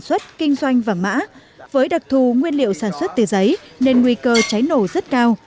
sản xuất kinh doanh vàng mã với đặc thù nguyên liệu sản xuất từ giấy nên nguy cơ cháy nổ rất cao